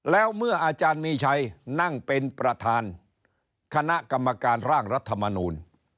แล้วเมื่ออาจารย์มีชัยนั่งเป็นประธานคณะกรรมการร่างรัฐมนูล